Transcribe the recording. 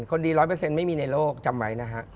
คนดีร้อยเปอร์เซ็นต์ไม่มีในโลกจำไหมนะฮะ